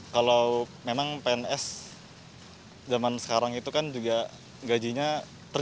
kalau memang pns zaman sekarang itu kan juga gajinya